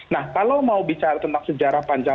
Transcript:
nah kalau mau bicara tentang sejarah panjang